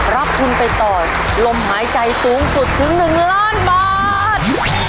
รับทุนไปต่อลมหายใจสูงสุดถึง๑ล้านบาท